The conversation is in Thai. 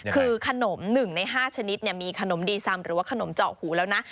คือขนม๑ใน๕ชนิดมีขนมดีซำหรือว่าขนมเจาะหูแล้วนะ